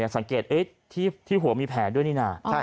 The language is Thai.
สังเกตที่หัวมีแผลด้วยนี่นะ